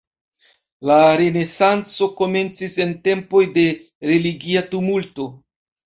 La Renesanco komencis en tempoj de religia tumulto.